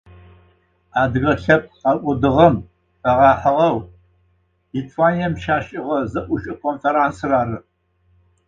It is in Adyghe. Адыгэ лъэпкъ хэкӏодыгъэм фэгъэхьыгъэу Литванием щашӏыгъэ зэӏукӏыпӏэ фэрансыр ары.